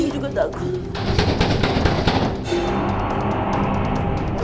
saya juga takut